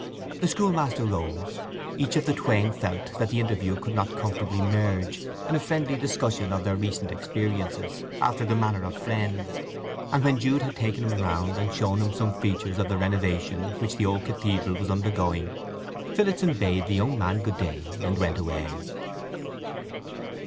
The schoolmaster rose. Each of the twain felt that the interview could not comfortably merge in a friendly discussion of their recent experiences, after the manner of friends; and when Jude had taken him round, and shown him some features of the renovation which the old cathedral was undergoing, Phillotson bade the young man good day and went away.